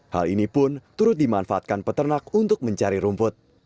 hal ini pun turut dimanfaatkan peternak untuk mencari rumput